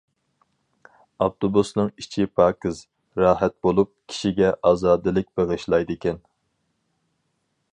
ئاپتوبۇسنىڭ ئىچى پاكىز، راھەت بولۇپ، كىشىگە ئازادىلىك بېغىشلايدىكەن.